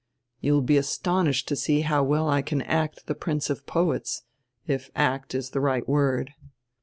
You will be astonished to see how well I can act die prince of poets, if act is die right word."